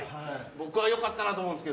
僕はよかったなと思うんですが。